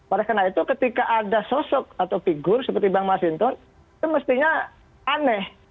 oleh karena itu ketika ada sosok atau figur seperti bang mas hinton itu mestinya aneh